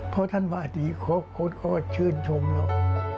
พระท่านพระอาทิตย์เขาก็ชื่นชมแล้ว